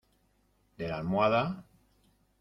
de la almohada?